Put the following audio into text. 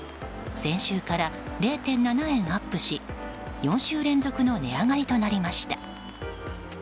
先週から０．７円アップし４週連続の値上がりとなりました。